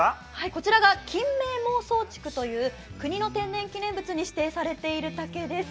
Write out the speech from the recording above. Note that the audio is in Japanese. こちらが金明孟宗竹という国の天然記念物に指定されている竹です。